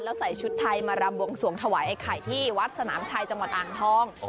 แล้วใส่ชุดไทยมารำวงสวงถวายไอ้ไข่ที่วัดสนามชัยจังหวัดอ่างทอง